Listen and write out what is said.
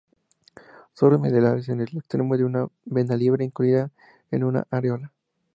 Soros mediales en el extremo de una vena libre incluida en una areola.